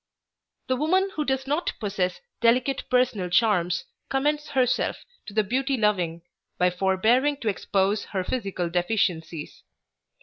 The women who does not possess delicate personal charms commends herself to the beauty loving by forbearing to expose her physical deficiencies.